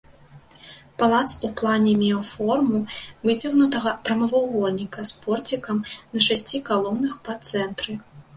Палац у плане меў форму выцягнутага прамавугольніка з порцікам на шасці калонах па цэнтры.